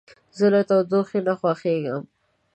زه له تودوخې نه خوښیږم.